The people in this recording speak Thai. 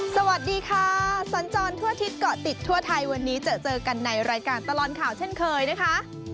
สวัสดีค่ะสัญจรทั่วอาทิตย์เกาะติดทั่วไทยวันนี้เจอเจอกันในรายการตลอดข่าวเช่นเคยนะคะ